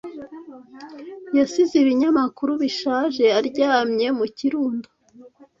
Yasize ibinyamakuru bishaje aryamye mu kirundo.